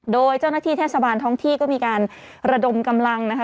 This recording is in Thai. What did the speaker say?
โดยเจ้าหน้าที่เทศบาลท้องที่ก็มีการระดมกำลังนะคะ